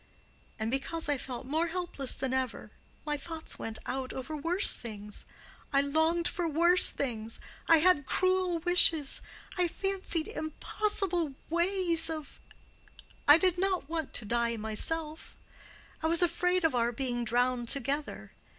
And because I felt more helpless than ever, my thoughts went out over worse things—I longed for worse things—I had cruel wishes—I fancied impossible ways of—I did not want to die myself; I was afraid of our being drowned together.